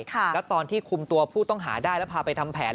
แล้วตอนที่คุมตัวผู้ต้องหาได้แล้วพาไปทำแผน